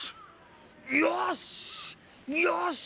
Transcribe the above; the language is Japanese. よし！